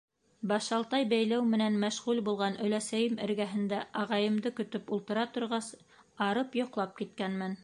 Башалтай бәйләү менән мәшғүл булған өләсәйем эргәһендә ағайымды көтөп ултыра торғас, арып йоҡлап киткәнмен.